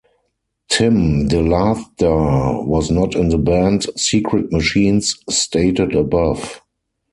Tim DeLaughter was not in the band Secret Machines stated above.